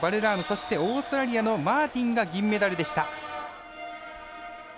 そして、オーストラリアのマーティンが銀メダルでした。